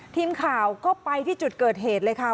ทีมข่าวก็ไปที่จุดเกิดเหตุเลยค่ะ